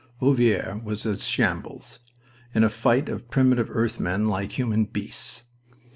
Ovillers was a shambles, in a fight of primitive earth men like human beasts.